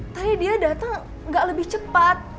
tapi dia datang gak lebih cepat